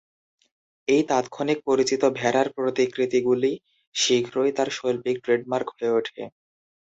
এই তাৎক্ষণিক-পরিচিত ভেড়ার প্রতিকৃতিগুলি শীঘ্রই তাঁর শৈল্পিক "ট্রেডমার্ক" হয়ে ওঠে।